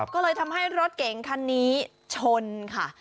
ก็เลยทำให้รถเก๋งคันนี้ชนค่ะ